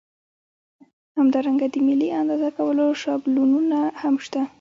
همدارنګه د ملي اندازه کولو شابلونونه هم شته.